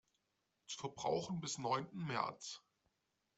Zu verbrauchen bis neunten März.